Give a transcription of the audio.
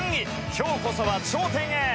今日こそは頂点へ！